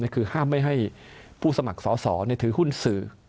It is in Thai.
คือห้ามไม่ให้ผู้สมัครสอสอถือหุ้นสื่อ